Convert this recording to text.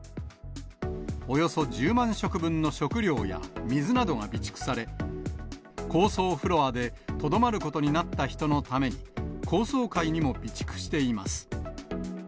およそ１０万食分の食料や水などが備蓄され、高層フロアでとどまることになった人のために、高層階にも備蓄しています。